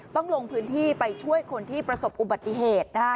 ต้องลงพื้นที่ไปช่วยคนที่ประสบอุบัติเหตุนะคะ